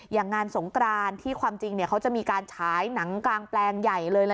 อย่างงานสงกรานที่ความจริงเขาจะมีการฉายหนังกลางแปลงใหญ่เลย